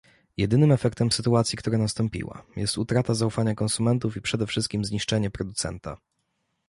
Jedynym efektem sytuacji, która nastąpiła, jest utrata zaufania konsumentów i przede wszystkim zniszczenie producenta